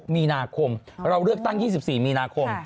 มีนาคมเราเลือกตั้ง๒๔มีนาคม